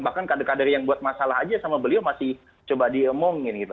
bahkan kader kader yang buat masalah aja sama beliau masih coba diemongin gitu